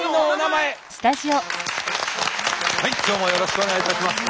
はい今日もよろしくお願いいたします。